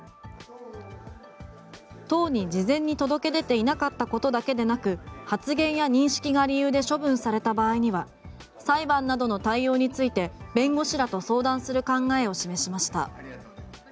党に事前に届け出ていなかったことだけでなく発言や認識が理由で処分された場合には裁判などの対応について弁護士らと相談する考えを示しました。